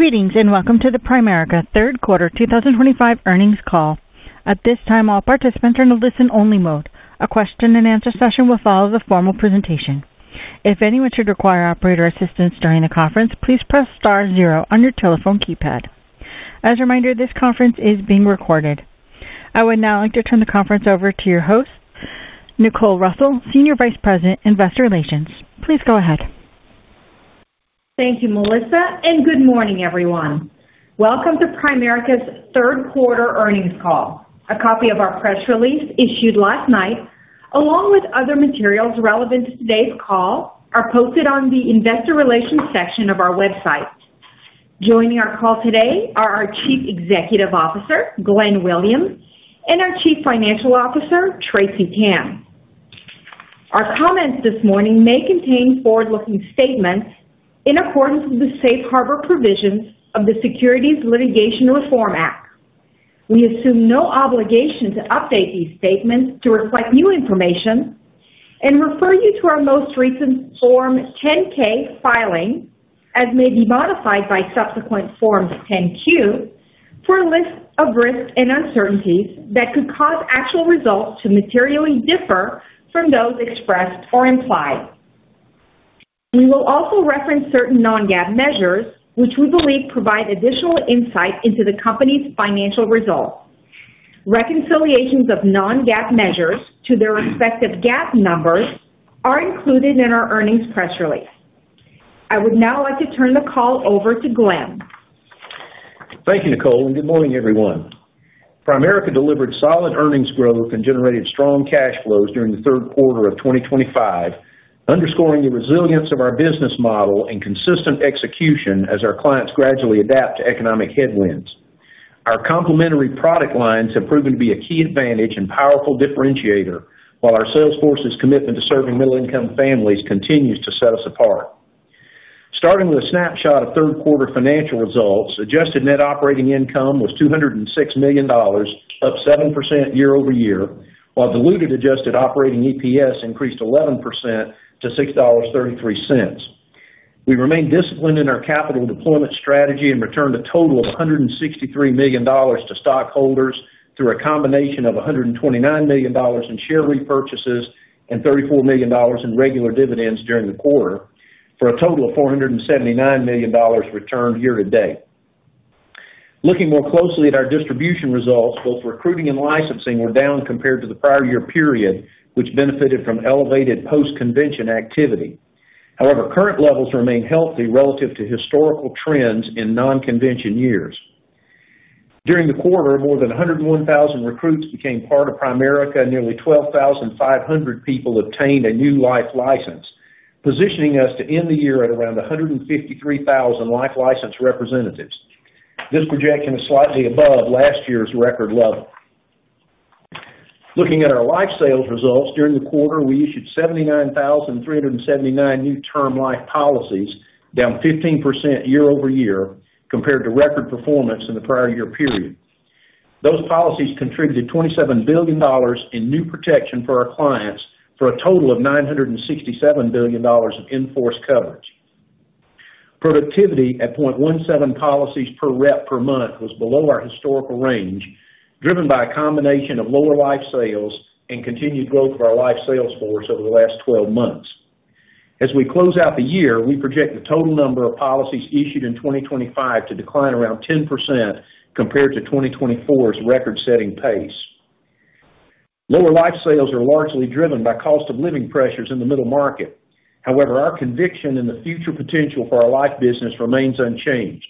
Greetings and welcome to the Primerica Third Quarter 2025 Earnings Call. At this time, all participants are in a listen-only mode. A question-and-answer session will follow the formal presentation. If anyone should require operator assistance during the conference, please press star zero on your telephone keypad. As a reminder, this conference is being recorded. I would now like to turn the conference over to your host, Nicole Russell, Senior Vice President, Investor Relations. Please go ahead. Thank you, Melissa, and good morning, everyone. Welcome to Primerica's Third Quarter Earnings Call. A copy of our press release issued last night, along with other materials relevant to today's call, are posted on the Investor Relations section of our website. Joining our call today are our Chief Executive Officer, Glenn Williams, and our Chief Financial Officer, Tracy Tan. Our comments this morning may contain forward-looking statements in accordance with the safe harbor provisions of the Securities Litigation Reform Act. We assume no obligation to update these statements to reflect new information and refer you to our most recent Form 10-K filing, as may be modified by subsequent Form 10-Q, for a list of risks and uncertainties that could cause actual results to materially differ from those expressed or implied. We will also reference certain non-GAAP measures, which we believe provide additional insight into the company's financial results. Reconciliations of non-GAAP measures to their respective GAAP numbers are included in our earnings press release. I would now like to turn the call over to Glenn. Thank you, Nicole, and good morning, everyone. Primerica delivered solid earnings growth and generated strong cash flows during the third quarter of 2025, underscoring the resilience of our business model and consistent execution as our clients gradually adapt to economic headwinds. Our complementary product lines have proven to be a key advantage and powerful differentiator, while our sales force's commitment to serving middle-income families continues to set us apart. Starting with a snapshot of third quarter financial results, adjusted net operating income was $206 million, up 7% year-over-year, while diluted adjusted operating EPS increased 11% to $6.33. We remained disciplined in our capital deployment strategy and returned a total of $163 million to stockholders through a combination of $129 million in share repurchases and $34 million in regular dividends during the quarter, for a total of $479 million returned year to date. Looking more closely at our distribution results, both recruiting and licensing were down compared to the prior year period, which benefited from elevated post-convention activity. However, current levels remain healthy relative to historical trends in non-convention years. During the quarter, more than 101,000 recruits became part of Primerica, and nearly 12,500 people obtained a new life license, positioning us to end the year at around 153,000 life license representatives. This projection is slightly above last year's record level. Looking at our life sales results, during the quarter, we issued 79,379 new term life policies, down 15% year-over-year compared to record performance in the prior year period. Those policies contributed $27 billion in new protection for our clients, for a total of $967 billion in enforced coverage. Productivity at 0.17 policies per rep per month was below our historical range, driven by a combination of lower life sales and continued growth of our life sales force over the last 12 months. As we close out the year, we project the total number of policies issued in 2025 to decline around 10% compared to 2024's record-setting pace. Lower life sales are largely driven by cost of living pressures in the middle market. However, our conviction in the future potential for our life business remains unchanged.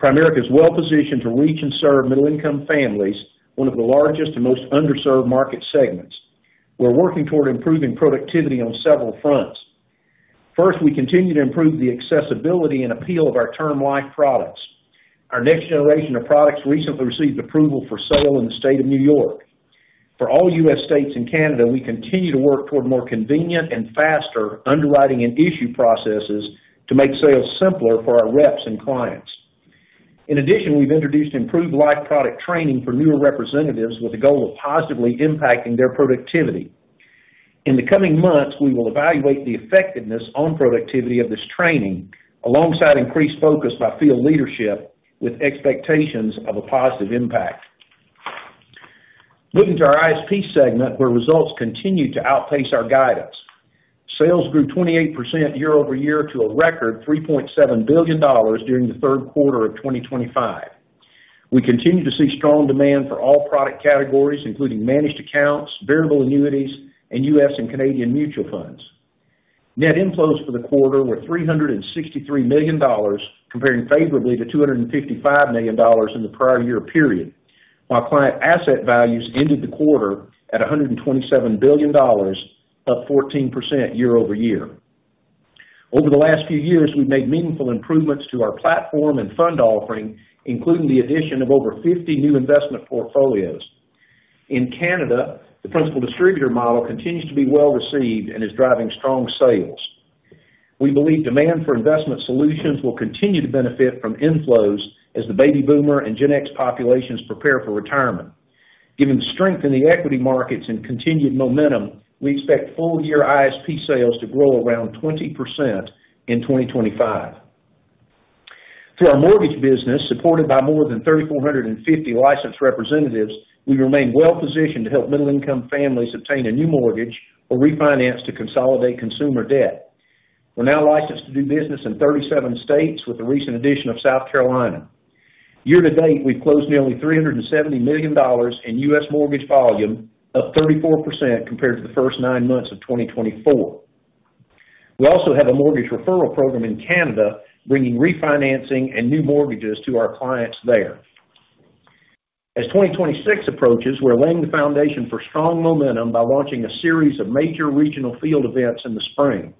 Primerica is well-positioned to reach and serve middle-income families, one of the largest and most underserved market segments. We're working toward improving productivity on several fronts. First, we continue to improve the accessibility and appeal of our term life products. Our next generation of products recently received approval for sale in the state of New York. For all U.S. States and Canada, we continue to work toward more convenient and faster underwriting and issue processes to make sales simpler for our reps and clients. In addition, we have introduced improved life product training for newer representatives with the goal of positively impacting their productivity. In the coming months, we will evaluate the effectiveness on productivity of this training alongside increased focus by field leadership, with expectations of a positive impact. Moving to our ISP segment, where results continue to outpace our guidance. Sales grew 28% year-over-year to a record $3.7 billion during the third quarter of 2025. We continue to see strong demand for all product categories, including managed accounts, variable annuities, and U.S. and Canadian mutual funds. Net inflows for the quarter were $363 million, comparing favorably to $255 million in the prior year period, while client asset values ended the quarter at $127 billion, up 14% year-over-year. Over the last few years, we made meaningful improvements to our platform and fund offering, including the addition of over 50 new investment portfolios. In Canada, the principal distributor model continues to be well-received and is driving strong sales. We believe demand for investment solutions will continue to benefit from inflows as the baby boomer and Gen X populations prepare for retirement. Given the strength in the equity markets and continued momentum, we expect full-year ISP sales to grow around 20% in 2025. Through our mortgage business, supported by more than 3,450 licensed representatives, we remain well-positioned to help middle-income families obtain a new mortgage or refinance to consolidate consumer debt. We are now licensed to do business in 37 states, with a recent addition of South Carolina. Year to date, we have closed nearly $370 million in U.S. mortgage volume, up 34% compared to the first nine months of 2024. We also have a mortgage referral program in Canada, bringing refinancing and new mortgages to our clients there. As 2026 approaches, we are laying the foundation for strong momentum by launching a series of major regional field events in the spring.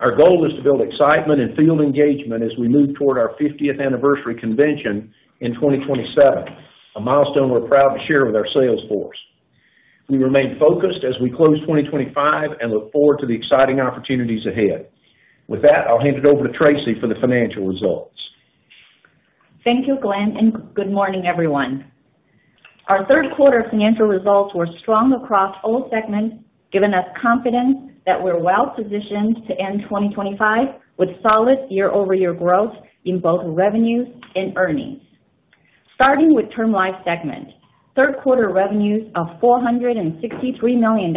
Our goal is to build excitement and field engagement as we move toward our 50th anniversary convention in 2027, a milestone we are proud to share with our sales force. We remain focused as we close 2025 and look forward to the exciting opportunities ahead. With that, I will hand it over to Tracy for the financial results. Thank you, Glenn, and good morning, everyone. Our third quarter financial results were strong across all segments, giving us confidence that we're well-positioned to end 2025 with solid year-over-year growth in both revenues and earnings. Starting with term life segment, third quarter revenues of $463 million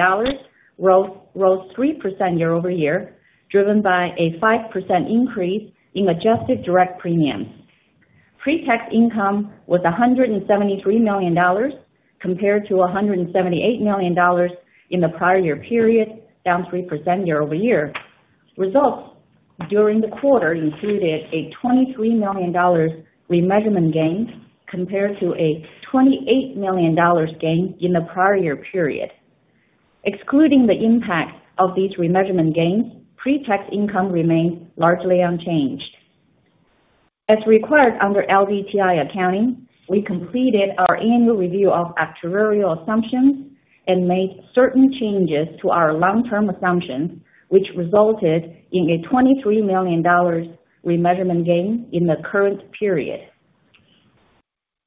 rose 3% year-over-year, driven by a 5% increase in adjusted direct premiums. Pre-tax income was $173 million, compared to $178 million in the prior year period, down 3% year-over-year. Results during the quarter included a $23 million remeasurement gain compared to a $28 million gain in the prior year period. Excluding the impact of these remeasurement gains, pre-tax income remained largely unchanged. As required under LDTI accounting, we completed our annual review of actuarial assumptions and made certain changes to our long-term assumptions, which resulted in a $23 million remeasurement gain in the current period.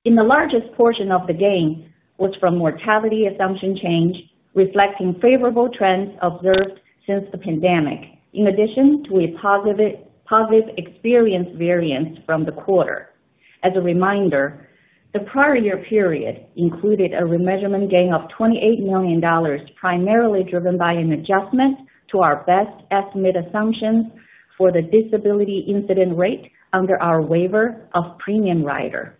In the largest portion of the gain, it was from mortality assumption change, reflecting favorable trends observed since the pandemic, in addition to a positive experience variance from the quarter. As a reminder, the prior year period included a remeasurement gain of $28 million, primarily driven by an adjustment to our best estimate assumptions for the disability incident rate under our waiver of premium rider.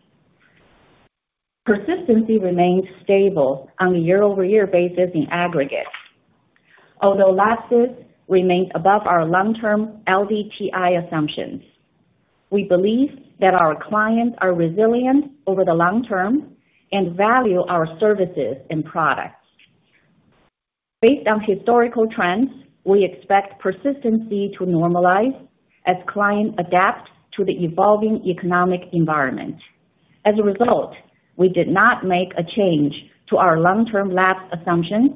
Persistency remained stable on a year-over-year basis in aggregate. Although lapses remained above our long-term LDTI assumptions, we believe that our clients are resilient over the long term and value our services and products. Based on historical trends, we expect persistency to normalize as clients adapt to the evolving economic environment. As a result, we did not make a change to our long-term lapse assumptions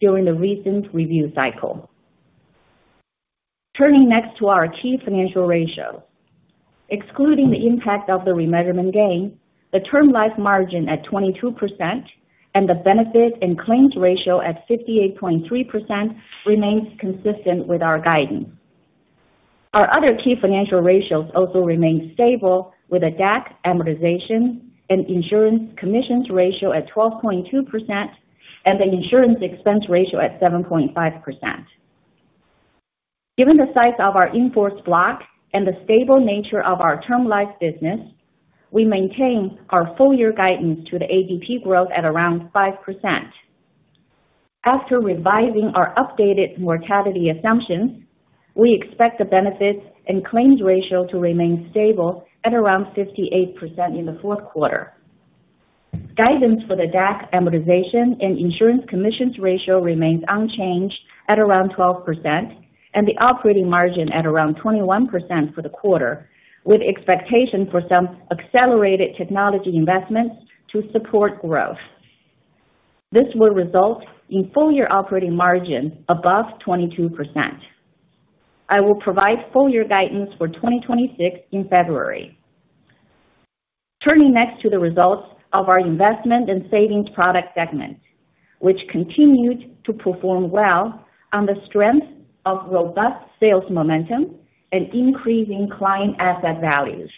during the recent review cycle. Turning next to our key financial ratios. Excluding the impact of the remeasurement gain, the term life margin at 22% and the benefit and claims ratio at 58.3% remains consistent with our guidance. Our other key financial ratios also remain stable, with a DAC amortization and insurance commissions ratio at 12.2% and the insurance expense ratio at 7.5%. Given the size of our enforced block and the stable nature of our term life business, we maintain our full-year guidance to the ADP growth at around 5%. After revising our updated mortality assumptions, we expect the benefits and claims ratio to remain stable at around 58% in the fourth quarter. Guidance for the DAC amortization and insurance commissions ratio remains unchanged at around 12% and the operating margin at around 21% for the quarter, with expectation for some accelerated technology investments to support growth. This will result in full-year operating margin above 22%. I will provide full-year guidance for 2026 in February. Turning next to the results of our investment and savings product segment, which continued to perform well on the strength of robust sales momentum and increasing client asset values.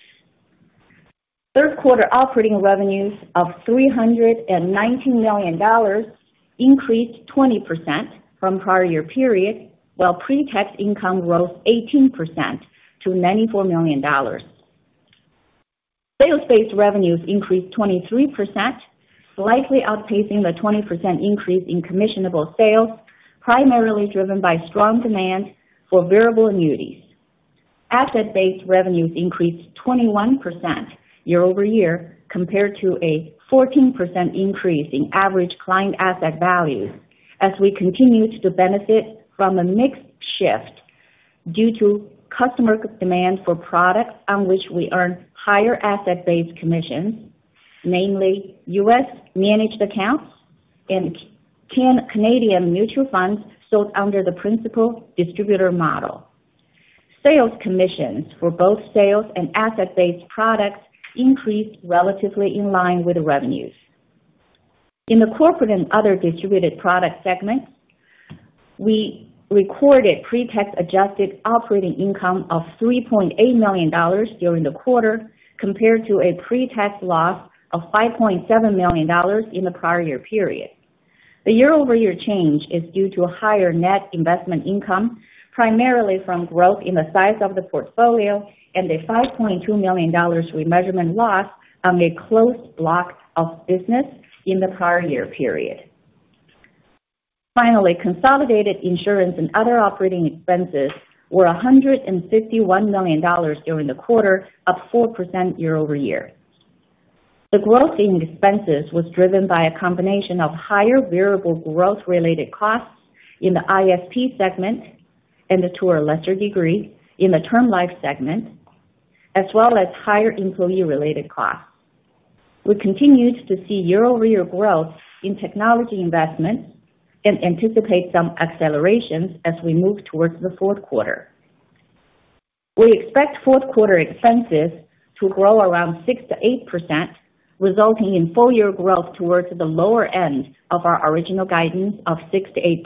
Third quarter operating revenues of $319 million increased 20% from prior year period, while pre-tax income rose 18% to $94 million. Sales-based revenues increased 23%, slightly outpacing the 20% increase in commissionable sales, primarily driven by strong demand for variable annuities. Asset-based revenues increased 21% year-over-year compared to a 14% increase in average client asset values, as we continued to benefit from a mix shift due to customer demand for products on which we earn higher asset-based commissions, namely U.S. managed accounts and Canadian mutual funds sold under the principal distributor model. Sales commissions for both sales and asset-based products increased relatively in line with revenues. In the corporate and other distributed product segments, we recorded pre-tax adjusted operating income of $3.8 million during the quarter, compared to a pre-tax loss of $5.7 million in the prior year period. The year-over-year change is due to higher net investment income, primarily from growth in the size of the portfolio and a $5.2 million remeasurement loss on a closed block of business in the prior year period. Finally, consolidated insurance and other operating expenses were $151 million during the quarter, up 4% year-over-year. The growth in expenses was driven by a combination of higher variable growth-related costs in the ISP segment and, to a lesser degree, in the term life segment, as well as higher employee-related costs. We continued to see year-over-year growth in technology investments and anticipate some accelerations as we move towards the fourth quarter. We expect fourth quarter expenses to grow around 6%-8%, resulting in full-year growth towards the lower end of our original guidance of 6%-8%,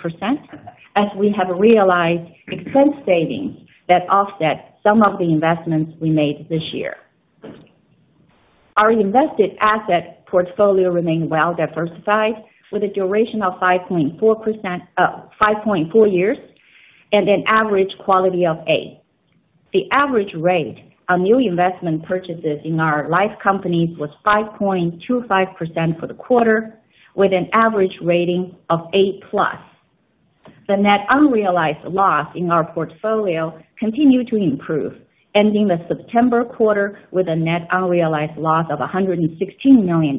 as we have realized expense savings that offset some of the investments we made this year. Our invested asset portfolio remained well-diversified, with a duration of 5.4 years and an average quality of 8. The average rate on new investment purchases in our life companies was 5.25% for the quarter, with an average rating of 8-plus. The net unrealized loss in our portfolio continued to improve, ending the September quarter with a net unrealized loss of $116 million.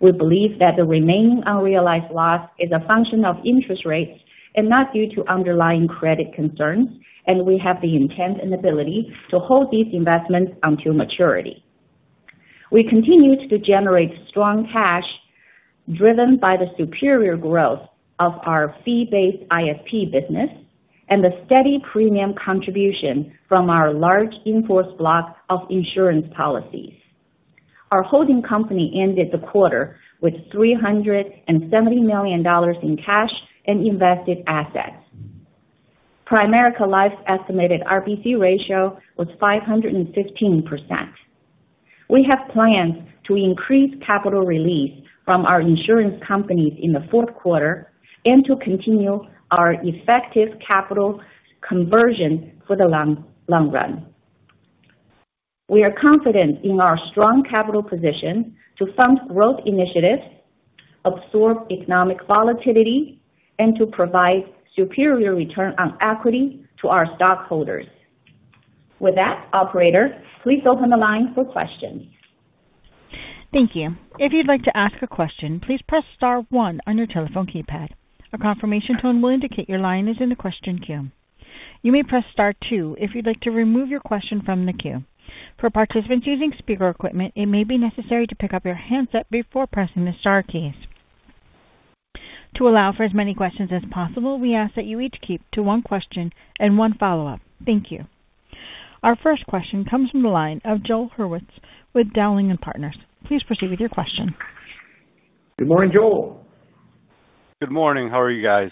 We believe that the remaining unrealized loss is a function of interest rates and not due to underlying credit concerns, and we have the intent and ability to hold these investments until maturity. We continue to generate strong cash. Driven by the superior growth of our fee-based ISP business and the steady premium contribution from our large enforced block of insurance policies. Our holding company ended the quarter with $370 million in cash and invested assets. Primerica Life's estimated RBC ratio was 515%. We have plans to increase capital release from our insurance companies in the fourth quarter and to continue our effective capital conversion for the long run. We are confident in our strong capital position to fund growth initiatives, absorb economic volatility, and to provide superior return on equity to our stockholders. With that, operator, please open the line for questions. Thank you. If you'd like to ask a question, please press star one on your telephone keypad. A confirmation tone will indicate your line is in the question queue. You may press star two if you'd like to remove your question from the queue. For participants using speaker equipment, it may be necessary to pick up your handset before pressing the star keys. To allow for as many questions as possible, we ask that you each keep to one question and one follow-up. Thank you. Our first question comes from the line of Joel Hurwitz with Dowling & Partners. Please proceed with your question. Good morning, Joel. Good morning. How are you guys?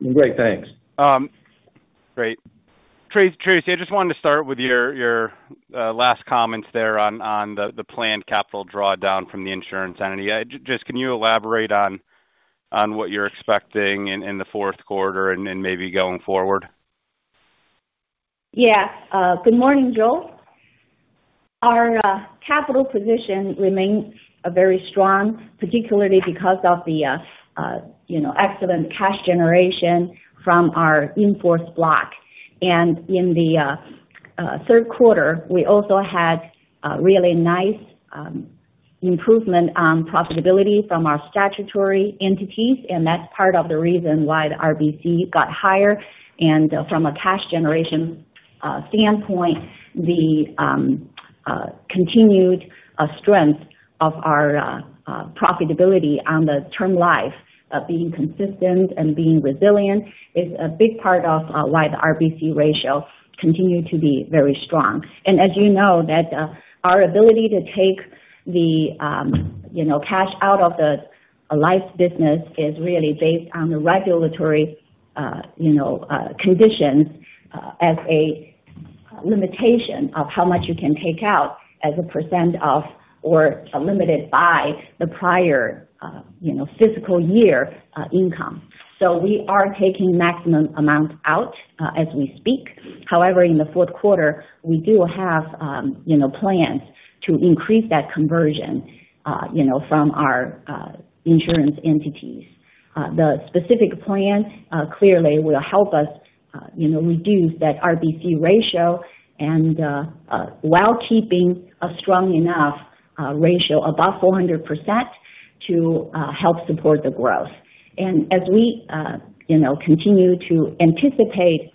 I'm great. Thanks. Great. Tracy, I just wanted to start with your last comments there on the planned capital drawdown from the insurance entity. Just can you elaborate on what you're expecting in the fourth quarter and maybe going forward? Good morning, Joel. Our capital position remains very strong, particularly because of the excellent cash generation from our enforced block. In the third quarter, we also had really nice improvement on profitability from our statutory entities, and that's part of the reason why the RBC got higher. From a cash generation standpoint, the continued strength of our profitability on the term life of being consistent and being resilient is a big part of why the RBC ratio continued to be very strong. As you know, our ability to take the cash out of the life business is really based on the regulatory conditions as a limitation of how much you can take out as a percent of or limited by the prior fiscal year income. We are taking maximum amount out as we speak. However, in the fourth quarter, we do have. Plans to increase that conversion from our insurance entities. The specific plan clearly will help us reduce that RBC ratio, while keeping a strong enough ratio above 400% to help support the growth. As we continue to anticipate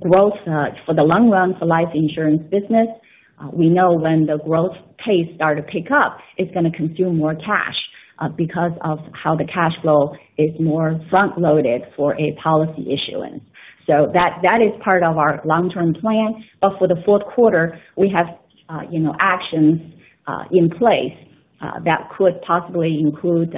growth for the long run for life insurance business, we know when the growth pace starts to pick up, it is going to consume more cash because of how the cash flow is more front-loaded for a policy issuance. That is part of our long-term plan. For the fourth quarter, we have actions in place that could possibly include,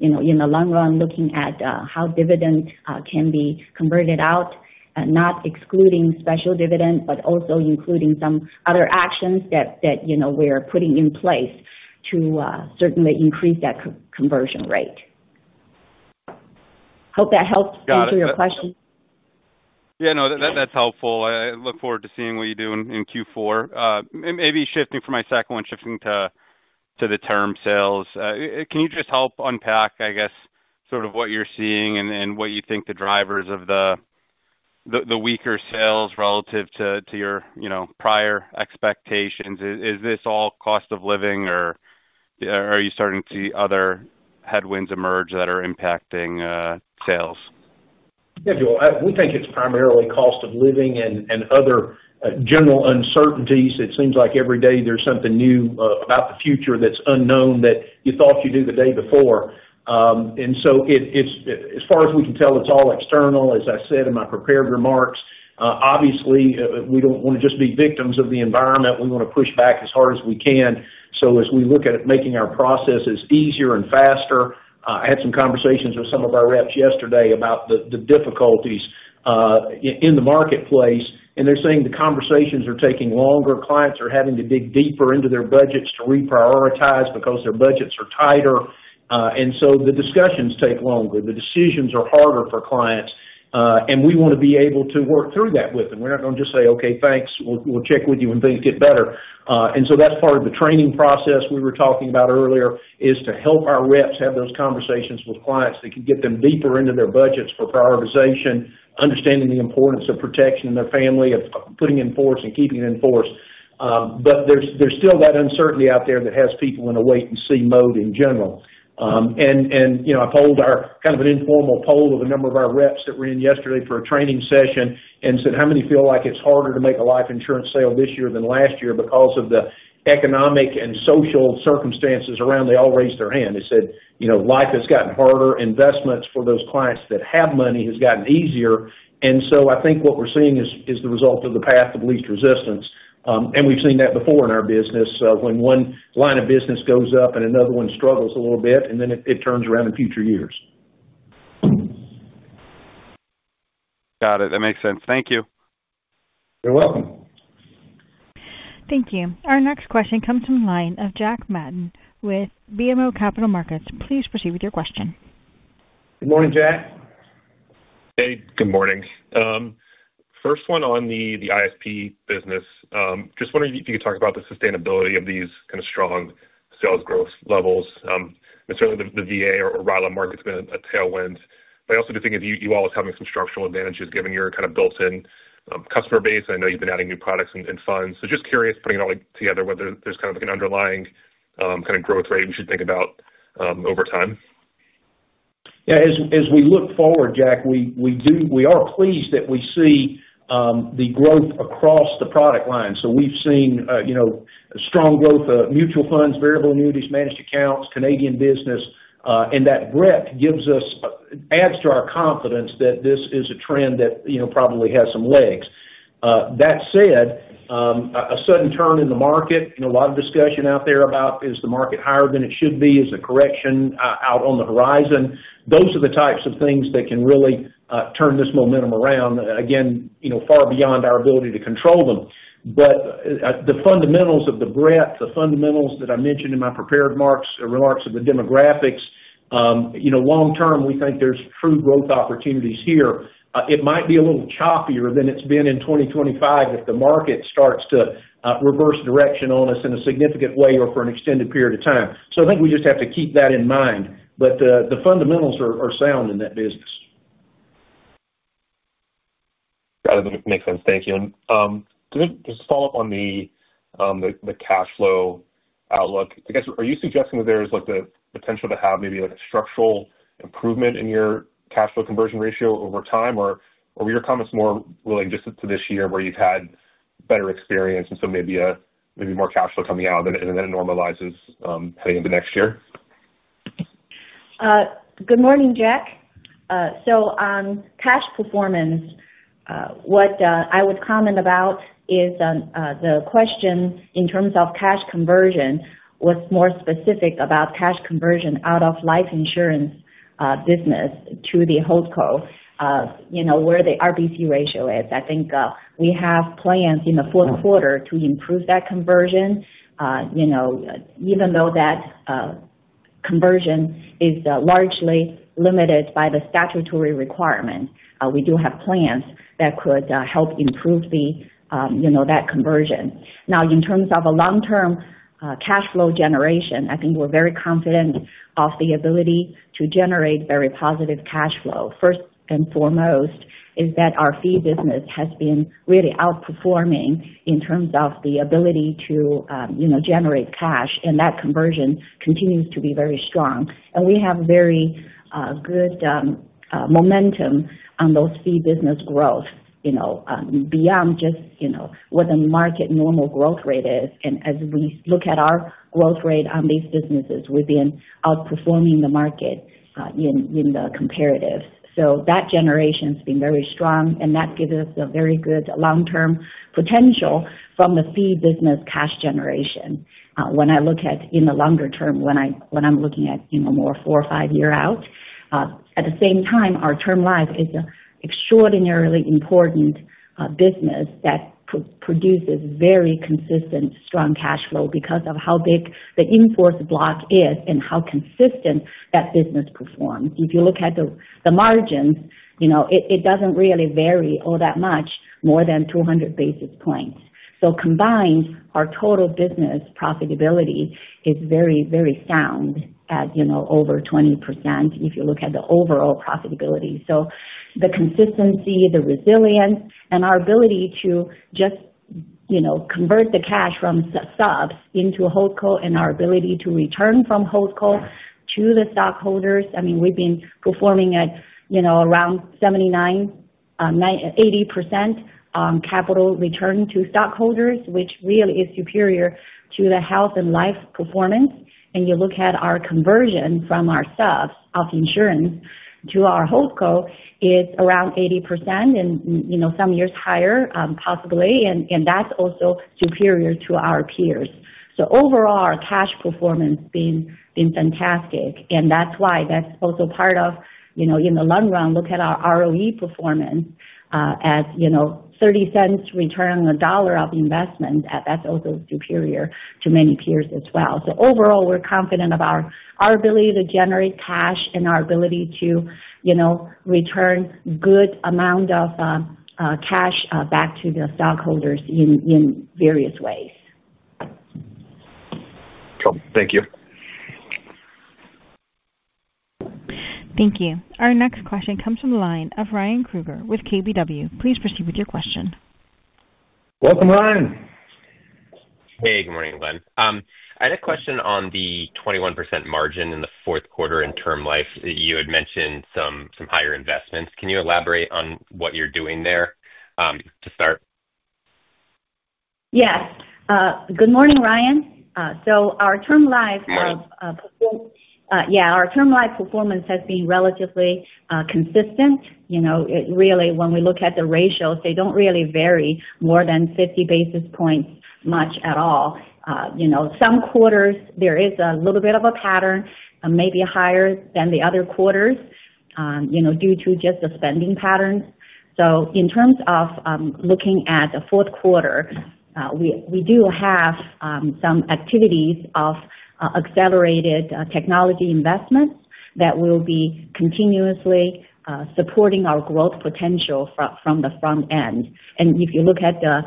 in the long run, looking at how dividend can be converted out, not excluding special dividend, but also including some other actions that we are putting in place to certainly increase that conversion rate. Hope that helps answer your question. No, that's helpful. I look forward to seeing what you do in Q4. Maybe shifting from my second one, shifting to the term sales. Can you just help unpack, I guess, sort of what you're seeing and what you think the drivers of the weaker sales relative to your prior expectations? Is this all cost of living, or are you starting to see other headwinds emerge that are impacting sales? Joel, we think it's primarily cost of living and other general uncertainties. It seems like every day there's something new about the future that's unknown that you thought you knew the day before. As far as we can tell, it's all external, as I said in my prepared remarks. Obviously, we don't want to just be victims of the environment. We want to push back as hard as we can. As we look at making our processes easier and faster, I had some conversations with some of our reps yesterday about the difficulties in the marketplace. They're saying the conversations are taking longer. Clients are having to dig deeper into their budgets to reprioritize because their budgets are tighter. The discussions take longer. The decisions are harder for clients. We want to be able to work through that with them. We're not going to just say, "Okay, thanks. We'll check with you when things get better." That is part of the training process we were talking about earlier, to help our reps have those conversations with clients that can get them deeper into their budgets for prioritization, understanding the importance of protection in their family, of putting in force and keeping it in force. There is still that uncertainty out there that has people in a wait-and-see mode in general. I polled our kind of an informal poll of a number of our reps that were in yesterday for a training session and said, "How many feel like it's harder to make a life insurance sale this year than last year because of the economic and social circumstances around?" They all raised their hand. They said, "Life has gotten harder. Investments for those clients that have money have gotten easier. I think what we're seeing is the result of the path of least resistance. We've seen that before in our business, when one line of business goes up and another one struggles a little bit, and then it turns around in future years. Got it. That makes sense. Thank you. You're welcome. Thank you. Our next question comes from the line of Jack Matten with BMO Capital Markets. Please proceed with your question. Good morning, Jack. Hey. Good morning. First one on the ISP business. Just wondering if you could talk about the sustainability of these kind of strong sales growth levels. Certainly, the VA or rallying market's been a tailwind. I also do think of you all as having some structural advantages given your kind of built-in customer base. I know you've been adding new products and funds. Just curious, putting it all together, whether there's kind of an underlying kind of growth rate we should think about over time. As we look forward, Jack, we are pleased that we see the growth across the product line. We have seen strong growth of mutual funds, variable annuities, managed accounts, Canadian business. That breadth adds to our confidence that this is a trend that probably has some legs. That said, a sudden turn in the market, a lot of discussion out there about, is the market higher than it should be? Is a correction out on the horizon? Those are the types of things that can really turn this momentum around, again, far beyond our ability to control them. The fundamentals of the breadth, the fundamentals that I mentioned in my prepared remarks of the demographics. Long term, we think there are true growth opportunities here. It might be a little choppier than it has been in 2025 if the market starts to reverse direction on us in a significant way or for an extended period of time. I think we just have to keep that in mind. The fundamentals are sound in that business. Got it. That makes sense. Thank you. Just to follow up on the cash flow outlook, I guess, are you suggesting that there's the potential to have maybe a structural improvement in your cash flow conversion ratio over time, or are your comments more related just to this year where you've had better experience and so maybe more cash flow coming out and then it normalizes heading into next year? Good morning, Jack. On cash performance, what I would comment about is the question in terms of cash conversion, what's more specific about cash conversion out of life insurance business to the whole core where the RBC ratio is. I think we have plans in the fourth quarter to improve that conversion. Even though that conversion is largely limited by the statutory requirement, we do have plans that could help improve that conversion. In terms of long-term cash flow generation, I think we're very confident of the ability to generate very positive cash flow. First and foremost is that our fee business has been really outperforming in terms of the ability to generate cash, and that conversion continues to be very strong. We have very good momentum on those fee business growth beyond just what the market normal growth rate is. As we look at our growth rate on these businesses, we've been outperforming the market in the comparatives. That generation has been very strong, and that gives us a very good long-term potential from the fee business cash generation. When I look at in the longer term, when I'm looking at more four or five years out. At the same time, our term life is an extraordinarily important business that produces very consistent, strong cash flow because of how big the enforced block is and how consistent that business performs. If you look at the margins, it doesn't really vary all that much, more than 200 basis points. Combined, our total business profitability is very, very sound at over 20% if you look at the overall profitability. The consistency, the resilience, and our ability to just. Convert the cash from subs into whole core and our ability to return from whole core to the stockholders. I mean, we've been performing at around 79-80% capital return to stockholders, which really is superior to the health and life performance. You look at our conversion from our subs of insurance to our whole core, it's around 80% and some years higher, possibly. That's also superior to our peers. Overall, our cash performance has been fantastic. That's why that's also part of, in the long run, look at our ROE performance. At 30 cents return on a dollar of investment, that's also superior to many peers as well. Overall, we're confident of our ability to generate cash and our ability to return a good amount of cash back to the stockholders in various ways. Cool. Thank you. Thank you. Our next question comes from the line of Ryan Krueger with KBW. Please proceed with your question. Welcome, Ryan. Hey. Good morning, Glenn. I had a question on the 21% margin in the fourth quarter in term life. You had mentioned some higher investments. Can you elaborate on what you're doing there to start? Yes. Good morning, Ryan. So our term life performance. Hi. Our term life performance has been relatively consistent. Really, when we look at the ratios, they do not really vary more than 50 basis points much at all. Some quarters, there is a little bit of a pattern, maybe higher than the other quarters, due to just the spending patterns. In terms of looking at the fourth quarter, we do have some activities of accelerated technology investments that will be continuously supporting our growth potential from the front end. If you look at the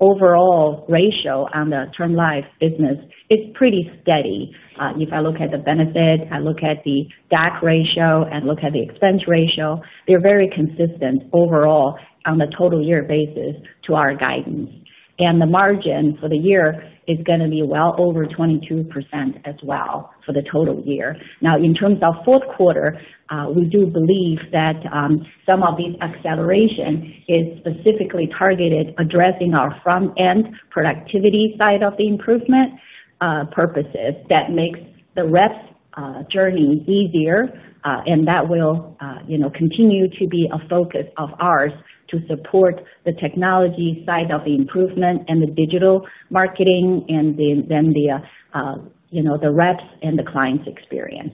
overall ratio on the term life business, it is pretty steady. If I look at the benefit, I look at the DAC ratio, and look at the expense ratio, they are very consistent overall on the total year basis to our guidance. The margin for the year is going to be well over 22% as well for the total year. Now, in terms of fourth quarter, we do believe that some of these accelerations are specifically targeted at addressing our front-end productivity side of the improvement, purposes that make the reps' journey easier, and that will continue to be a focus of ours to support the technology side of the improvement and the digital marketing and then the reps and the clients' experience.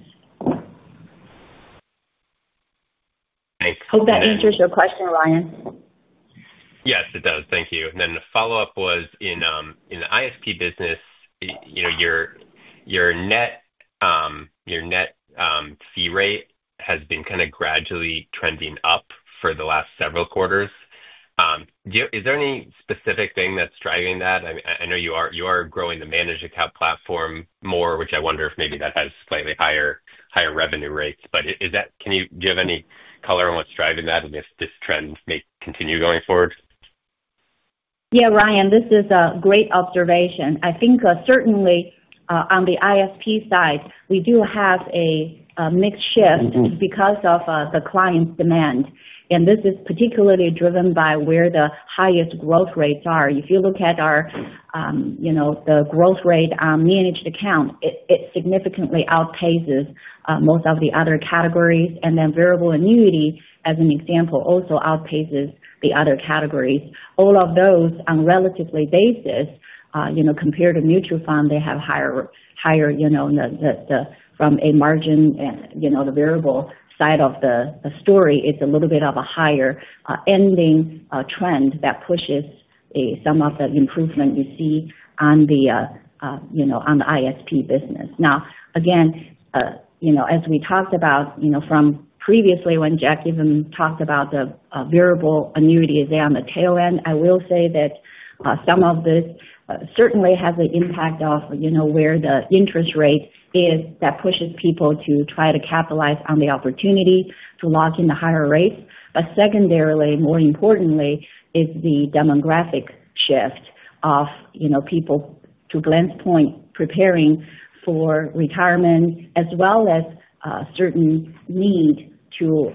Thanks. Hope that answers your question, Ryan. Yes, it does. Thank you. The follow-up was in the ISP business. Your net fee rate has been kind of gradually trending up for the last several quarters. Is there any specific thing that is driving that? I know you are growing the managed account platform more, which I wonder if maybe that has slightly higher revenue rates. Do you have any color on what is driving that and if this trend may continue going forward? Ryan, this is a great observation. I think certainly on the ISP side, we do have a mix shift because of the client's demand. This is particularly driven by where the highest growth rates are. If you look at the growth rate on managed accounts, it significantly outpaces most of the other categories. Then variable annuity, as an example, also outpaces the other categories. All of those on a relative basis compared to mutual funds, they have higher, from a margin and the variable side of the story, it is a little bit of a higher ending trend that pushes some of the improvement you see on the ISP business. Now, again, as we talked about previously when Jack even talked about the variable annuity, it is there on the tail end, I will say that. Some of this certainly has an impact of where the interest rate is that pushes people to try to capitalize on the opportunity to lock in the higher rates. Secondarily, more importantly, is the demographic shift of people, to Glenn's point, preparing for retirement as well as certain needs to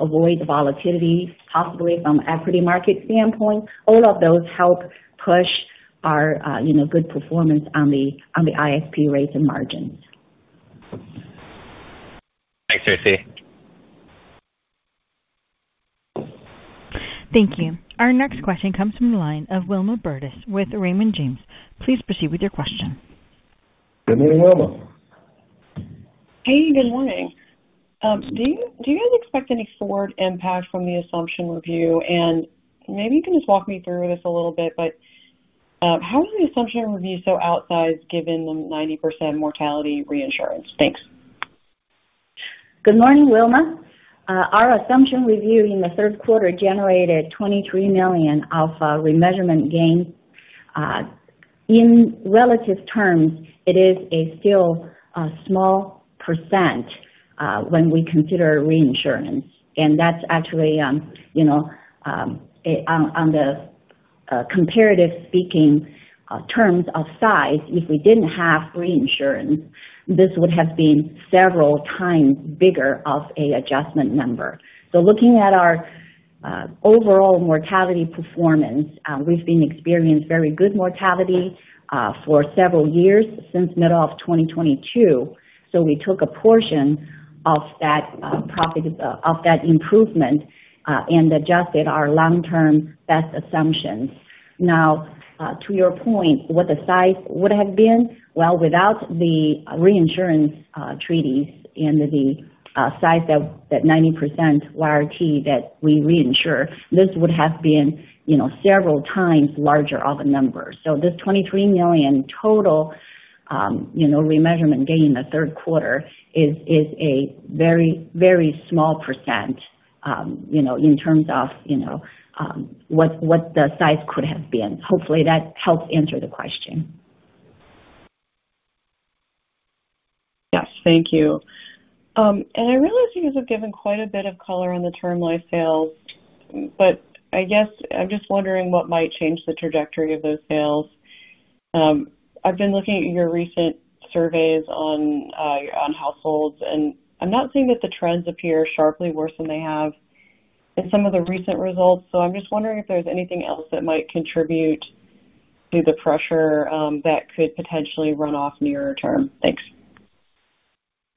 avoid the volatility, possibly from an equity market standpoint. All of those help push our good performance on the ISP rates and margins. Thanks, Tracy. Thank you. Our next question comes from the line of Wilma Burdis with Raymond James. Please proceed with your question. Good morning, Wilma. Hey, good morning. Do you guys expect any forward impact from the assumption review? Maybe you can just walk me through this a little bit, but how is the assumption review so outsized given the 90% mortality reinsurance? Thanks. Good morning, Wilma. Our assumption review in the third quarter generated $23 million of remeasurement gains. In relative terms, it is still a small %. When we consider reinsurance. And that is actually. On the. Comparative speaking terms of size. If we did not have reinsurance, this would have been several times bigger of an adjustment number. Looking at our overall mortality performance, we have been experiencing very good mortality for several years since the middle of 2022. We took a portion of that improvement and adjusted our long-term best assumptions. Now, to your point, what the size would have been, without the reinsurance treaties and the size of that 90% YRT that we reinsure, this would have been several times larger of a number. This $23 million total remeasurement gain in the third quarter is a very, very small % in terms of. What the size could have been. Hopefully, that helps answer the question. Yes. Thank you. I realize you guys have given quite a bit of color on the term life sales, but I guess I'm just wondering what might change the trajectory of those sales. I've been looking at your recent surveys on households, and I'm not seeing that the trends appear sharply worse than they have in some of the recent results. I'm just wondering if there's anything else that might contribute to the pressure that could potentially run off nearer term. Thanks.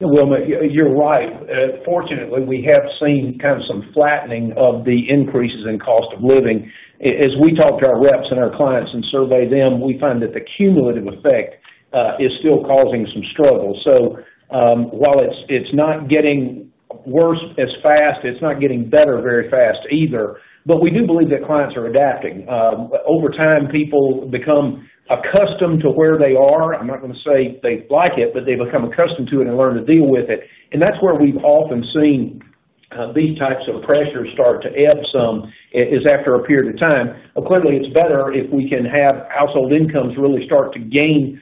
Wilma, you're right. Fortunately, we have seen kind of some flattening of the increases in cost of living. As we talk to our reps and our clients and survey them, we find that the cumulative effect is still causing some struggle. While it's not getting worse as fast, it's not getting better very fast either. We do believe that clients are adapting. Over time, people become accustomed to where they are. I'm not going to say they like it, but they become accustomed to it and learn to deal with it. That's where we've often seen these types of pressures start to ebb some is after a period of time. Clearly, it's better if we can have household incomes really start to gain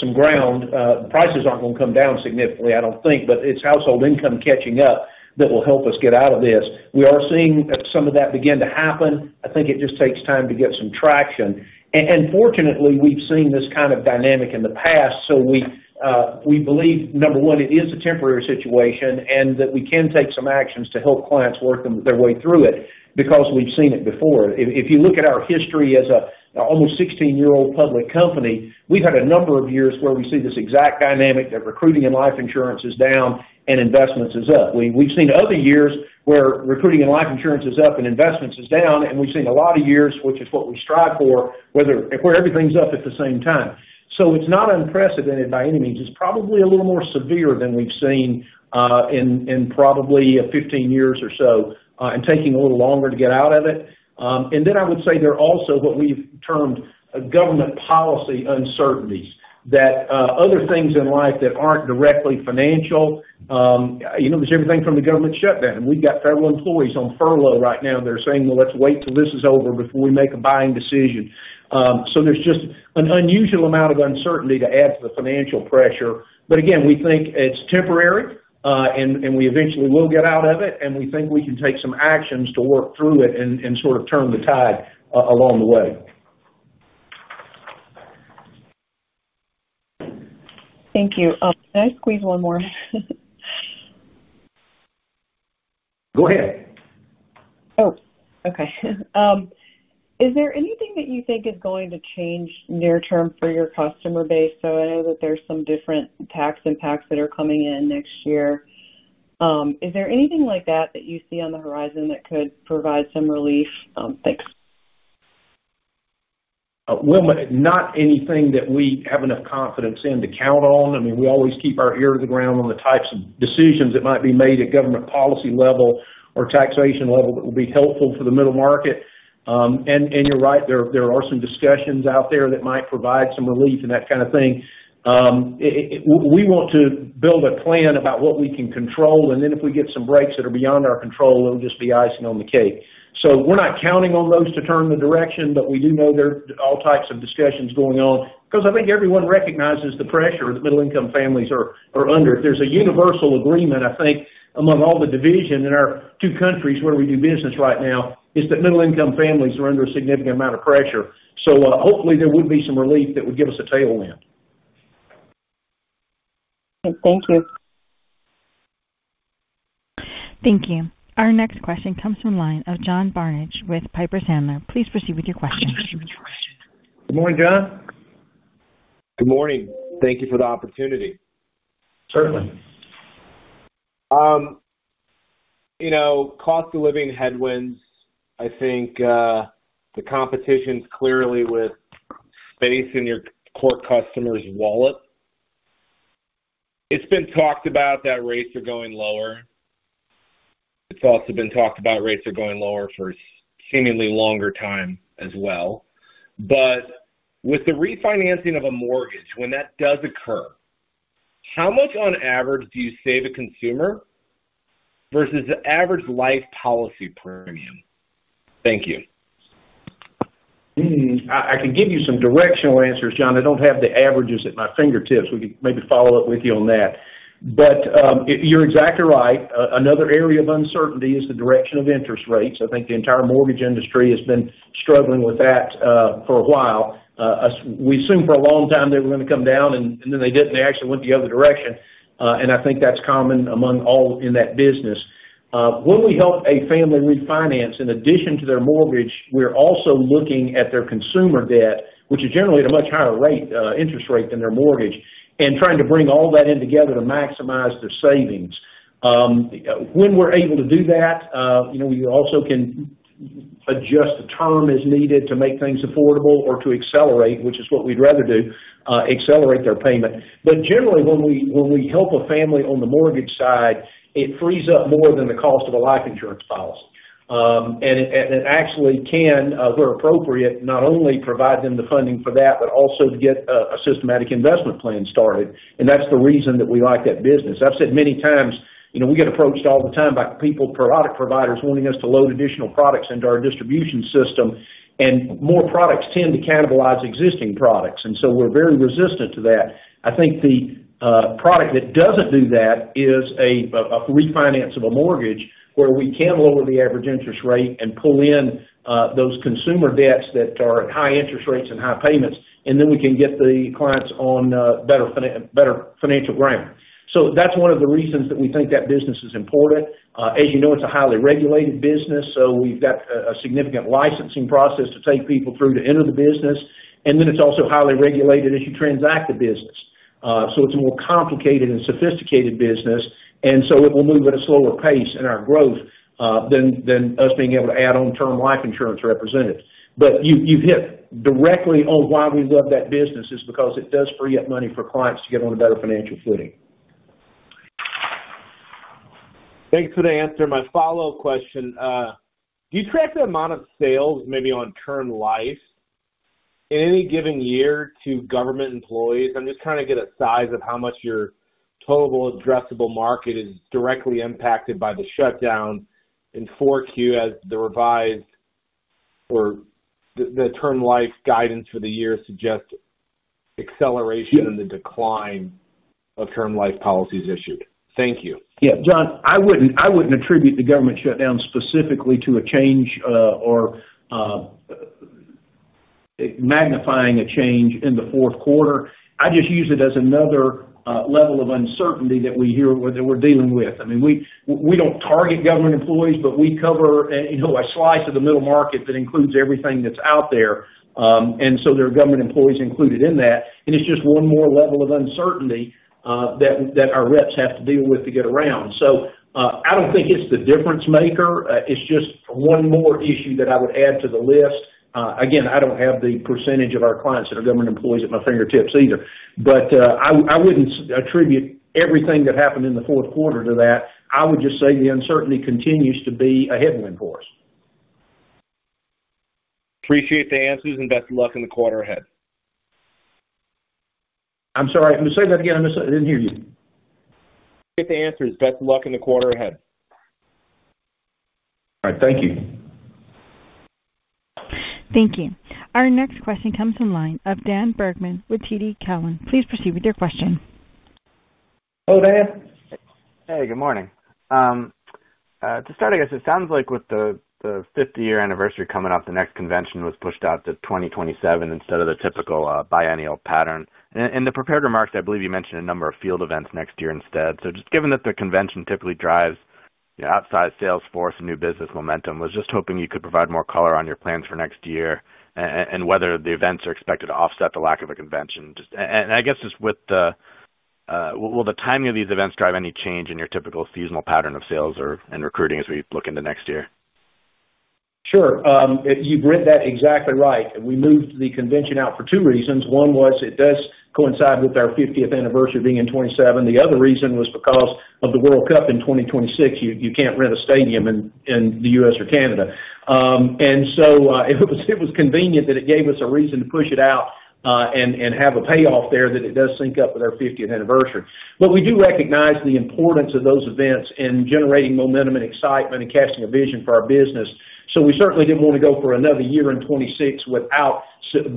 some ground. Prices are not going to come down significantly, I do not think, but it is household income catching up that will help us get out of this. We are seeing some of that begin to happen. I think it just takes time to get some traction. Fortunately, we have seen this kind of dynamic in the past. We believe, number one, it is a temporary situation and that we can take some actions to help clients work their way through it because we have seen it before. If you look at our history as an almost 16-year-old public company, we have had a number of years where we see this exact dynamic that recruiting and life insurance is down and investments is up. We have seen other years where recruiting and life insurance is up and investments is down. We have seen a lot of years, which is what we strive for, where everything is up at the same time. It is not unprecedented by any means. It is probably a little more severe than we have seen in probably 15 years or so and taking a little longer to get out of it. I would say there are also what we have termed government policy uncertainties, that other things in life that are not directly financial. There is everything from the government shutdown. We have federal employees on furlough right now. They are saying, "Let us wait till this is over before we make a buying decision." There is just an unusual amount of uncertainty to add to the financial pressure. Again, we think it is temporary, and we eventually will get out of it. We think we can take some actions to work through it and sort of turn the tide along the way. Thank you. Can I squeeze one more? Go ahead. Oh, okay. Is there anything that you think is going to change near term for your customer base? I know that there are some different tax impacts that are coming in next year. Is there anything like that that you see on the horizon that could provide some relief? Thanks. Wilma, not anything that we have enough confidence in to count on. I mean, we always keep our ear to the ground on the types of decisions that might be made at government policy level or taxation level that will be helpful for the middle market. You're right, there are some discussions out there that might provide some relief and that kind of thing. We want to build a plan about what we can control. If we get some breaks that are beyond our control, it'll just be icing on the cake. We are not counting on those to turn the direction, but we do know there are all types of discussions going on because I think everyone recognizes the pressure that middle-income families are under. is a universal agreement, I think, among all the divisions in our two countries where we do business right now, that middle-income families are under a significant amount of pressure. Hopefully, there would be some relief that would give us a tailwind. Thank you. Thank you. Our next question comes from the line of John Barnidge with Piper Sandler. Please proceed with your question. Good morning, John. Good morning. Thank you for the opportunity. Certainly. Cost of living headwinds, I think. The competition's clearly with space in your core customer's wallet. It's been talked about that rates are going lower. It's also been talked about rates are going lower for a seemingly longer time as well. With the refinancing of a mortgage, when that does occur, how much on average do you save a consumer versus the average life policy premium? Thank you. I can give you some directional answers, John. I don't have the averages at my fingertips. We could maybe follow up with you on that. You're exactly right. Another area of uncertainty is the direction of interest rates. I think the entire mortgage industry has been struggling with that for a while. We assumed for a long time they were going to come down, and then they didn't. They actually went the other direction. I think that's common among all in that business. When we help a family refinance in addition to their mortgage, we're also looking at their consumer debt, which is generally at a much higher interest rate than their mortgage, and trying to bring all that in together to maximize their savings. When we're able to do that, we also can adjust the term as needed to make things affordable or to accelerate, which is what we'd rather do, accelerate their payment. Generally, when we help a family on the mortgage side, it frees up more than the cost of a life insurance policy. It actually can, where appropriate, not only provide them the funding for that, but also to get a systematic investment plan started. That's the reason that we like that business. I've said many times, we get approached all the time by people, product providers wanting us to load additional products into our distribution system. More products tend to cannibalize existing products. We are very resistant to that. I think the product that does not do that is a refinance of a mortgage where we can lower the average interest rate and pull in those consumer debts that are at high interest rates and high payments, and then we can get the clients on better financial ground. That is one of the reasons that we think that business is important. As you know, it is a highly regulated business. We have a significant licensing process to take people through to enter the business. It is also highly regulated as you transact the business. It is a more complicated and sophisticated business. It will move at a slower pace in our growth than us being able to add on term life insurance representatives. You hit directly on why we love that business, because it does free up money for clients to get on a better financial footing. Thanks for the answer. My follow-up question. Do you track the amount of sales maybe on term life. In any given year to government employees? I'm just trying to get a size of how much your total addressable market is directly impacted by the shutdown. In Q4, as the revised. Or the term life guidance for the year suggests acceleration in the decline of term life policies issued. Thank you. John, I would not attribute the government shutdown specifically to a change or magnifying a change in the fourth quarter. I just use it as another level of uncertainty that we are dealing with. I mean, we do not target government employees, but we cover a slice of the middle market that includes everything that is out there. There are government employees included in that. It is just one more level of uncertainty that our reps have to deal with to get around. I do not think it is the difference maker. It is just one more issue that I would add to the list. Again, I do not have the percentage of our clients that are government employees at my fingertips either. I would not attribute everything that happened in the fourth quarter to that. I would just say the uncertainty continues to be a headwind for us. Appreciate the answers and best of luck in the quarter ahead. I'm sorry. Say that again. I didn't hear you. Appreciate the answers. Best of luck in the quarter ahead. All right. Thank you. Thank you. Our next question comes from the line of Dan Bergman with TD Cowen. Please proceed with your question. Hello, Dan. Hey, good morning. To start, I guess it sounds like with the 50-year anniversary coming up, the next convention was pushed out to 2027 instead of the typical biennial pattern. In the prepared remarks, I believe you mentioned a number of field events next year instead. Just given that the convention typically drives outside sales force and new business momentum, I was just hoping you could provide more color on your plans for next year and whether the events are expected to offset the lack of a convention. I guess just with the timing of these events, will that drive any change in your typical seasonal pattern of sales and recruiting as we look into next year? Sure. You've read that exactly right. We moved the convention out for two reasons. One was it does coincide with our 50th anniversary being in 2027. The other reason was because of the World Cup in 2026. You can't rent a stadium in the U.S. or Canada. It was convenient that it gave us a reason to push it out and have a payoff there that it does sync up with our 50th anniversary. We do recognize the importance of those events in generating momentum and excitement and casting a vision for our business. We certainly did not want to go for another year in 2026 without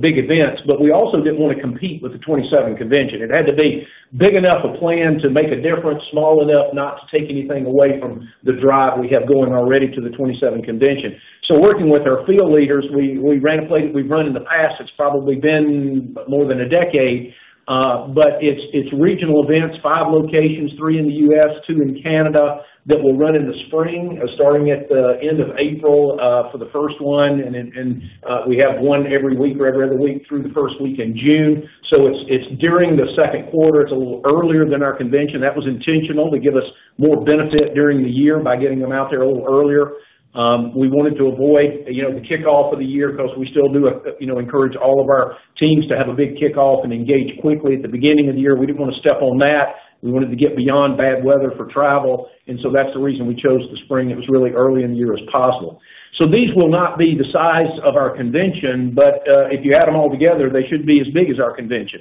big events, but we also did not want to compete with the 2027 convention. It had to be big enough a plan to make a difference, small enough not to take anything away from the drive we have going already to the 2027 convention. Working with our field leaders, we ran a play that we have run in the past. It has probably been more than a decade, but it is regional events, five locations, three in the U.S., two in Canada that will run in the spring, starting at the end of April for the first one. We have one every week or every other week through the first week in June. It is during the second quarter. It is a little earlier than our convention. That was intentional to give us more benefit during the year by getting them out there a little earlier. We wanted to avoid the kickoff of the year because we still do encourage all of our teams to have a big kickoff and engage quickly at the beginning of the year. We did not want to step on that. We wanted to get beyond bad weather for travel. That is the reason we chose the spring. It was really as early in the year as possible. These will not be the size of our convention, but if you add them all together, they should be as big as our convention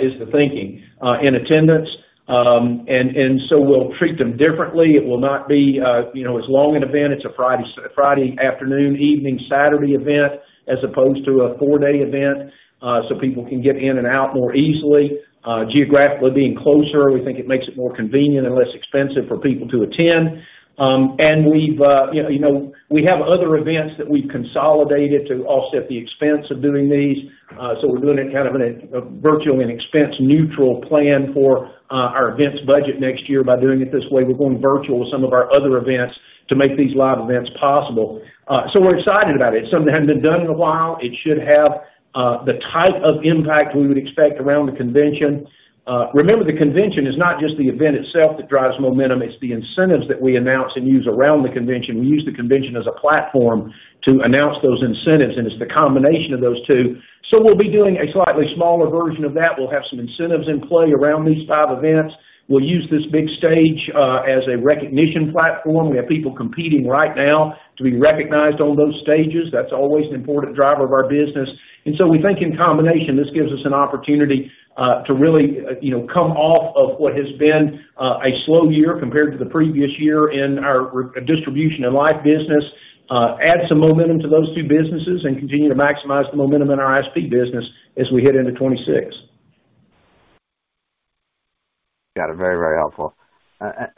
is the thinking. In attendance. We will treat them differently. It will not be as long an event. It is a Friday afternoon, evening, Saturday event as opposed to a four-day event so people can get in and out more easily. Geographically being closer, we think it makes it more convenient and less expensive for people to attend. We have other events that we've consolidated to offset the expense of doing these. We are doing it kind of in a virtually an expense-neutral plan for our events budget next year by doing it this way. We are going virtual with some of our other events to make these live events possible. We are excited about it. It is something that had not been done in a while. It should have the type of impact we would expect around the convention. Remember, the convention is not just the event itself that drives momentum. It is the incentives that we announce and use around the convention. We use the convention as a platform to announce those incentives, and it is the combination of those two. We will be doing a slightly smaller version of that. We will have some incentives in play around these five events. We will use this big stage as a recognition platform. We have people competing right now to be recognized on those stages. That is always an important driver of our business. We think in combination, this gives us an opportunity to really come off of what has been a slow year compared to the previous year in our distribution and life business. Add some momentum to those two businesses and continue to maximize the momentum in our ISP business as we head into 2026. Got it. Very, very helpful.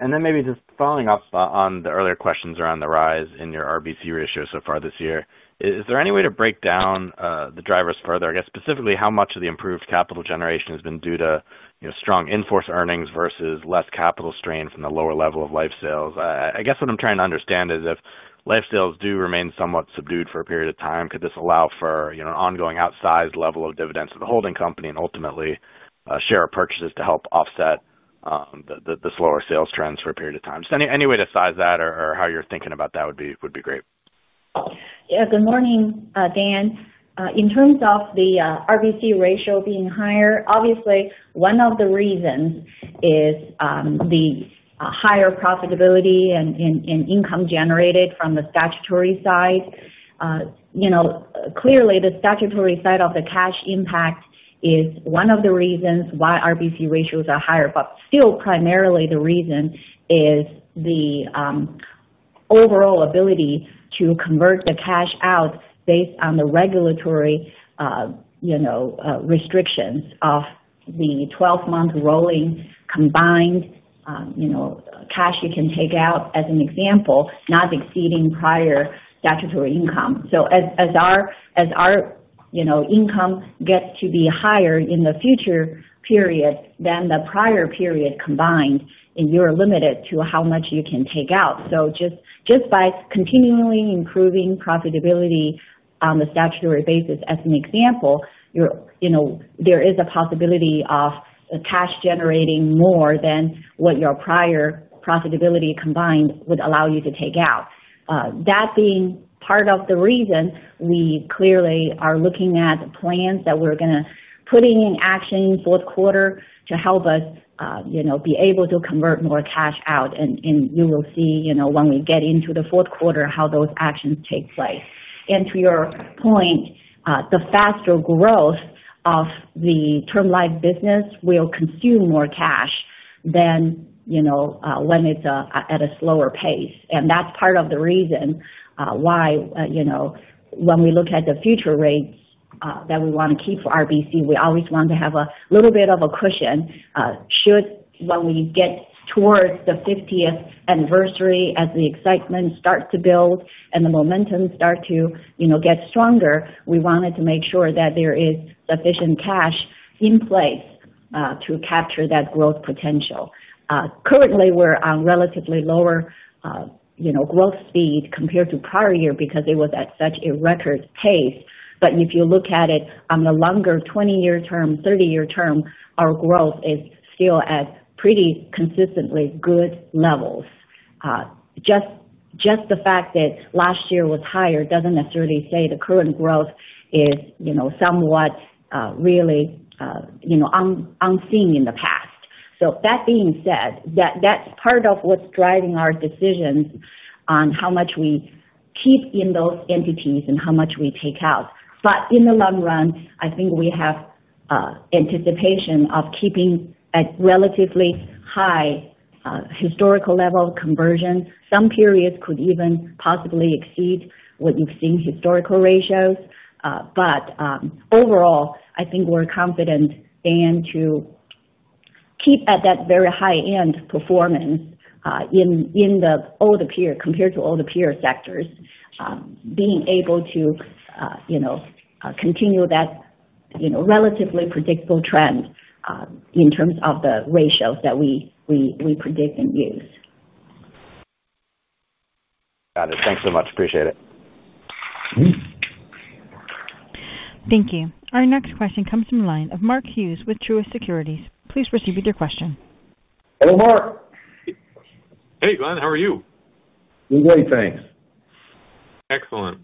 Maybe just following up on the earlier questions around the rise in your RBC ratio so far this year, is there any way to break down the drivers further? I guess specifically how much of the improved capital generation has been due to strong in-force earnings versus less capital strain from the lower level of life sales? I guess what I'm trying to understand is if life sales do remain somewhat subdued for a period of time, could this allow for an ongoing outsized level of dividends to the holding company and ultimately share purchases to help offset the slower sales trends for a period of time? Just any way to size that or how you're thinking about that would be great. Good morning, Dan. In terms of the RBC ratio being higher, obviously, one of the reasons is the higher profitability and income generated from the statutory side. Clearly, the statutory side of the cash impact is one of the reasons why RBC ratios are higher. Still, primarily the reason is the overall ability to convert the cash out based on the regulatory restrictions of the 12-month rolling combined cash you can take out as an example, not exceeding prior statutory income. As our income gets to be higher in the future period than the prior period combined, you're limited to how much you can take out. Just by continually improving profitability on the statutory basis, as an example, there is a possibility of cash generating more than what your prior profitability combined would allow you to take out. That being part of the reason, we clearly are looking at plans that we're going to put in action in the fourth quarter to help us be able to convert more cash out. You will see when we get into the fourth quarter how those actions take place. To your point, the faster growth of the term life business will consume more cash than when it's at a slower pace. That is part of the reason why, when we look at the future rates that we want to keep for RBC, we always want to have a little bit of a cushion. Should we get towards the 50th anniversary, as the excitement starts to build and the momentum starts to get stronger, we wanted to make sure that there is sufficient cash in place to capture that growth potential. Currently, we're on relatively lower. Growth speed compared to prior year because it was at such a record pace. If you look at it on the longer 20-year term, 30-year term, our growth is still at pretty consistently good levels. Just the fact that last year was higher does not necessarily say the current growth is somewhat really unseen in the past. That being said, that is part of what is driving our decisions on how much we keep in those entities and how much we take out. In the long run, I think we have anticipation of keeping at relatively high historical level conversion. Some periods could even possibly exceed what you have seen historical ratios. Overall, I think we are confident, Dan, to keep at that very high-end performance. In the older peer compared to older peer sectors, being able to continue that relatively predictable trend. In terms of the ratios that we predict and use. Got it. Thanks so much. Appreciate it. Thank you. Our next question comes from the line of Mark Hughes with Truist Securities. Please proceed with your question. Hello, Mark. Hey, Glenn. How are you? I'm great. Thanks. Excellent.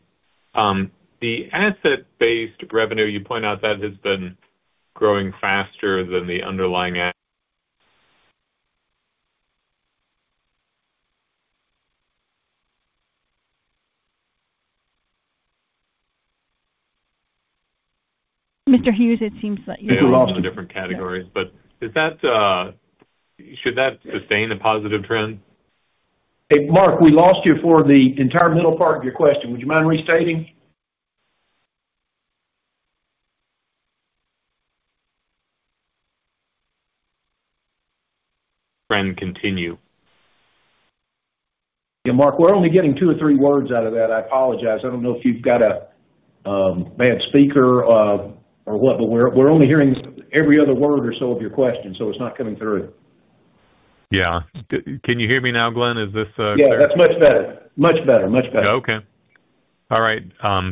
The asset-based revenue, you point out that has been growing faster than the underlying. Mr. Hughes, it seems that you're not. Different categories. Should that sustain a positive trend? Hey, Mark, we lost you for the entire middle part of your question. Would you mind restating? Trend continue? Mark, we're only getting two or three words out of that. I apologize. I don't know if you've got a bad speaker or what, but we're only hearing every other word or so of your question, so it's not coming through. Can you hear me now, Glenn? Is this clear? That's much better. Okay. All right.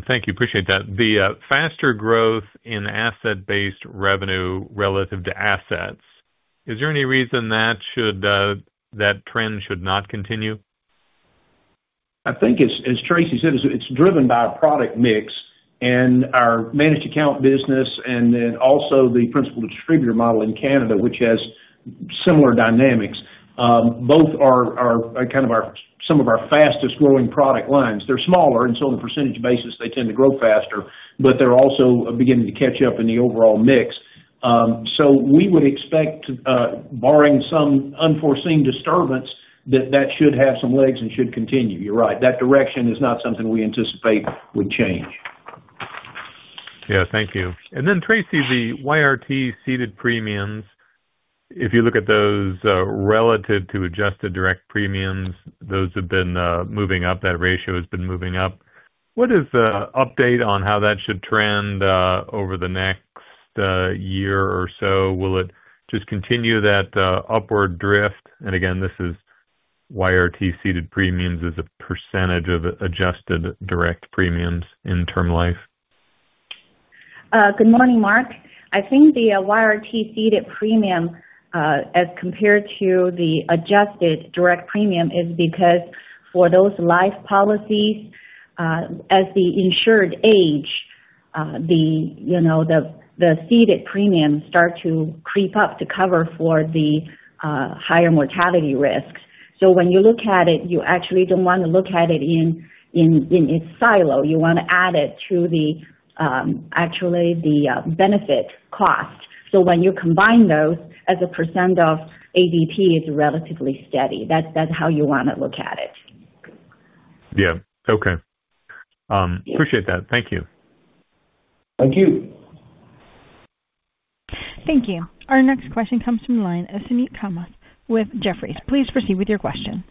Thank you. Appreciate that. The faster growth in asset-based revenue relative to assets, is there any reason that trend should not continue? I think, as Tracy said, it is driven by a product mix. Our managed account business, and then also the principal distributor model in Canada, which has similar dynamics, both are kind of some of our fastest-growing product lines. They are smaller, and on a percentage basis, they tend to grow faster, but they are also beginning to catch up in the overall mix. We would expect, barring some unforeseen disturbance, that that should have some legs and should continue. You are right. That direction is not something we anticipate would change. Thank you. Tracy, the YRT seeded premiums, if you look at those relative to adjusted direct premiums, those have been moving up. That ratio has been moving up. What is the update on how that should trend over the next year or so? Will it just continue that upward drift? This is YRT seeded premiums as a percentage of adjusted direct premiums in term life? Good morning, Mark. I think the YRT seeded premium, as compared to the adjusted direct premium, is because for those life policies, as the insured age, the seeded premiums start to creep up to cover for the higher mortality risk. When you look at it, you actually do not want to look at it in its silo. You want to add it to actually the benefit cost. When you combine those as a percent of ADP, it is relatively steady. That is how you want to look at it. Okay. Appreciate that. Thank you. Thank you. Thank you. Our next question comes from the line of Suneet Kamath with Jefferies. Please proceed with your question.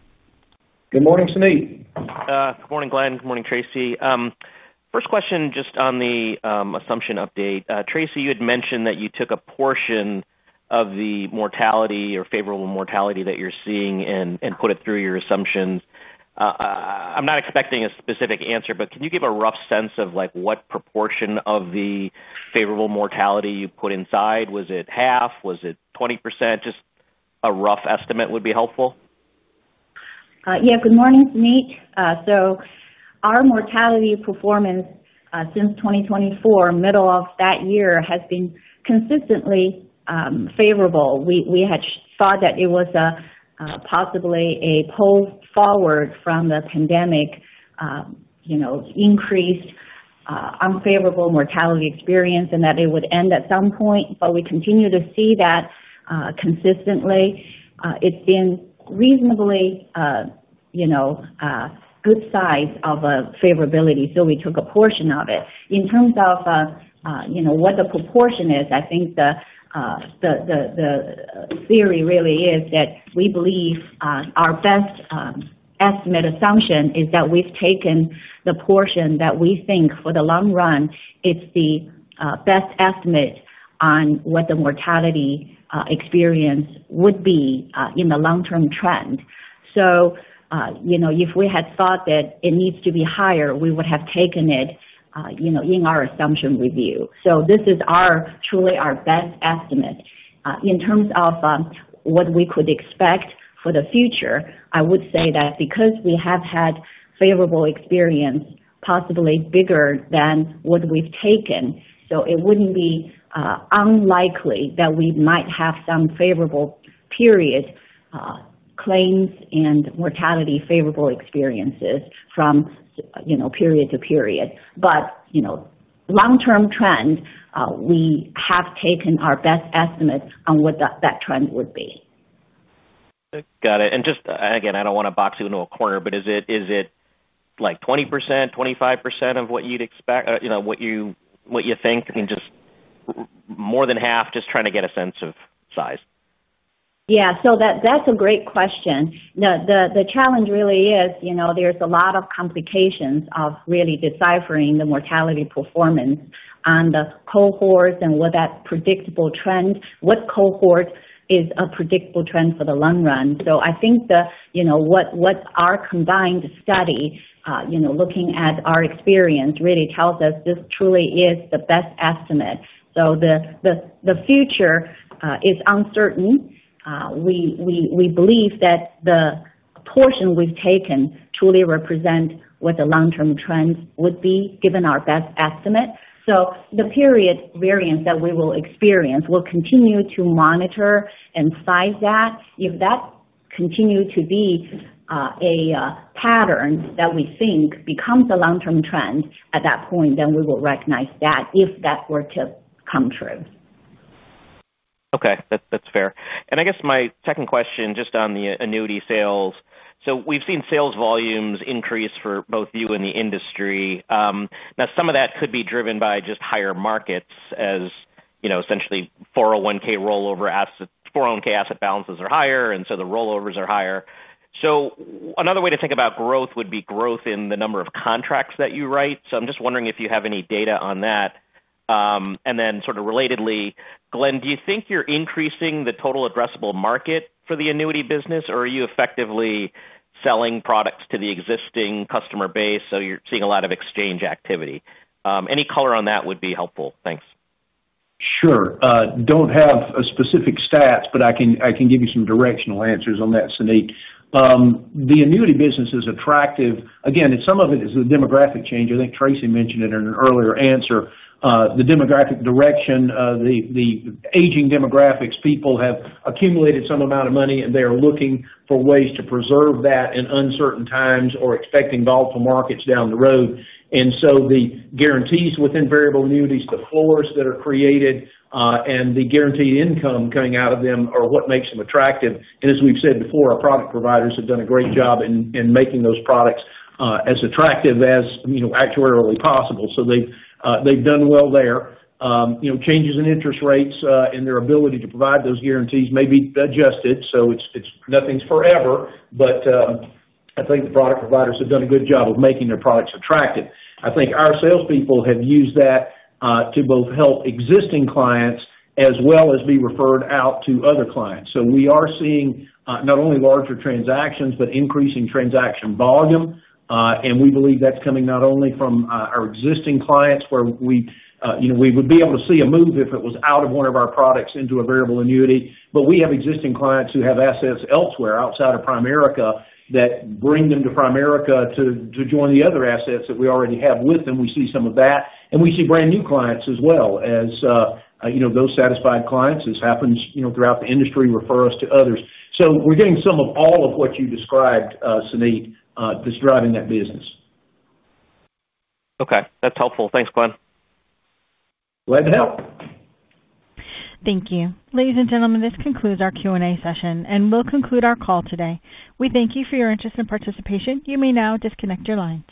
Good morning, Suneet. Good morning, Glenn. Good morning, Tracy. First question just on the assumption update. Tracy, you had mentioned that you took a portion of the mortality or favorable mortality that you're seeing and put it through your assumptions. I'm not expecting a specific answer, but can you give a rough sense of what proportion of the favorable mortality you put inside? Was it half? Was it 20%? Just a rough estimate would be helpful. Good morning, Suneet. Our mortality performance since 2024, middle of that year, has been consistently favorable. We had thought that it was possibly a pull forward from the pandemic, increased unfavorable mortality experience, and that it would end at some point. We continue to see that consistently. It's been reasonably good size of a favorability. We took a portion of it. In terms of what the proportion is, I think the theory really is that we believe our best estimate assumption is that we've taken the portion that we think for the long run is the best estimate on what the mortality experience would be in the long-term trend. If we had thought that it needs to be higher, we would have taken it in our assumption review. This is truly our best estimate. In terms of what we could expect for the future, I would say that because we have had favorable experience, possibly bigger than what we've taken, it wouldn't be unlikely that we might have some favorable period. Claims and mortality favorable experiences from period to period. Long-term trend, we have taken our best estimate on what that trend would be. Got it. Just again, I do not want to box you into a corner, but is it 20%, 25% of what you would expect, what you think? I mean, just more than half, just trying to get a sense of size. That is a great question. The challenge really is there are a lot of complications of really deciphering the mortality performance on the cohorts and what that predictable trend, what cohort is a predictable trend for the long run. I think that what our combined study, looking at our experience, really tells us this truly is the best estimate. The future is uncertain. We believe that the portion we have taken truly represents what the long-term trends would be given our best estimate. The period variance that we will experience, we will continue to monitor and size that. If that continues to be a pattern that we think becomes a long-term trend, at that point, we will recognize that if that were to come true. Okay. That's fair. I guess my second question just on the annuity sales. We've seen sales volumes increase for both you and the industry. Now, some of that could be driven by just higher markets as essentially 401(k) rollover assets, 401(k) asset balances are higher, and the rollovers are higher. Another way to think about growth would be growth in the number of contracts that you write. I'm just wondering if you have any data on that. Sort of relatedly, Glenn, do you think you're increasing the total addressable market for the annuity business, or are you effectively selling products to the existing customer base? You're seeing a lot of exchange activity. Any color on that would be helpful. Thanks. Sure. Do not have a specific stat, but I can give you some directional answers on that, Suneet. The annuity business is attractive. Again, some of it is the demographic change. I think Tracy mentioned it in an earlier answer. The demographic direction, the aging demographics, people have accumulated some amount of money, and they are looking for ways to preserve that in uncertain times or expecting volatile markets down the road. The guarantees within variable annuities, the floors that are created, and the guaranteed income coming out of them are what makes them attractive. As we have said before, our product providers have done a great job in making those products as attractive as actuarially possible. They have done well there. Changes in interest rates and their ability to provide those guarantees may be adjusted. Nothing is forever. I think the product providers have done a good job of making their products attractive. I think our salespeople have used that to both help existing clients as well as be referred out to other clients. We are seeing not only larger transactions, but increasing transaction volume. We believe that is coming not only from our existing clients where we would be able to see a move if it was out of one of our products into a variable annuity. We have existing clients who have assets elsewhere outside of Primerica that bring them to Primerica to join the other assets that we already have with them. We see some of that. We see brand new clients as well as those satisfied clients, as happens throughout the industry, refer us to others. We are getting some of all of what you described, Suneet, that is driving that business. Okay. That's helpful. Thanks, Glenn. Glad to help. Thank you. Ladies and gentlemen, this concludes our Q&A session, and we'll conclude our call today. We thank you for your interest and participation. You may now disconnect your line.